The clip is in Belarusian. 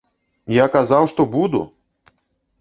Я казаў, што буду!